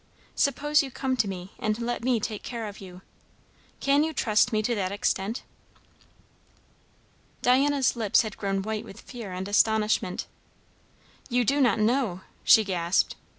Suppose you come to me and let me take care of you. Can you trust me to that extent?" Diana's lips had grown white with fear and astonishment. "You do not know!" she gasped.